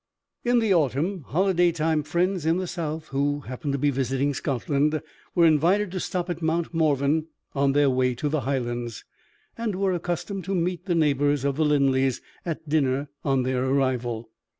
In the autumn holiday time friends in the south, who happened to be visiting Scotland, were invited to stop at Mount Morven on their way to the Highlands; and were accustomed to meet the neighbors of the Linleys at dinner on their arrival.